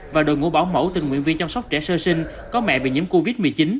và đội ngũ bảo mẫu tình nguyện viên chăm sóc trẻ sơ sinh có mẹ bị nhiễm covid một mươi chín